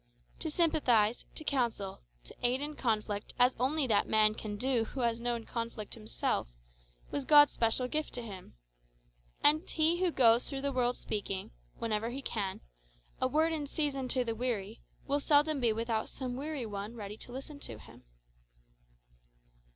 To sympathize, to counsel, to aid in conflict as only that man can do who has known conflict himself, was God's special gift to him. And he who goes through the world speaking, whenever he can, a word in season to the weary, will seldom be without some weary one ready to listen to him.